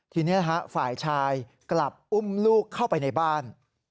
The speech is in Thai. ทีนี้ฝ่ายชายกลับอุ้มลูกเข้าไปในบ้าน